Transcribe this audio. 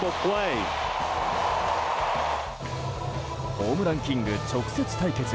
ホームランキング直接対決。